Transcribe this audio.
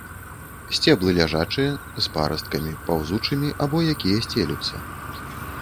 Сцеблы ляжачыя, з парасткамі, паўзучымі або якія сцелюцца.